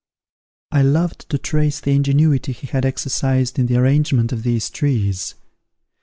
I loved to trace the ingenuity he had exercised in the arrangement of these trees.